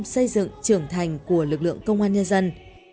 xây dựng trưởng thành của lực lượng công an nhân dân